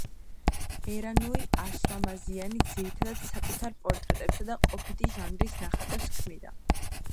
ერანუი ასლამაზიანი ძირითადად საკუთარ პორტრეტებსა და ყოფითი ჟანრის ნახატებს ქმნიდა.